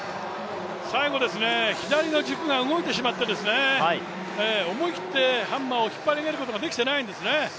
最後、左の軸が動いてしまって思い切ってハンマーを引っ張り上げることができてないんですね。